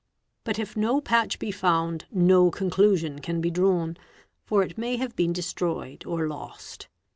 But if no patch be found no conclu 'sion can be drawn, for it may have been destroyed or lost.